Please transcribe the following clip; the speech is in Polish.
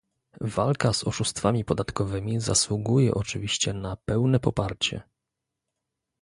Walka z oszustwami podatkowymi zasługuje oczywiście na pełne poparcie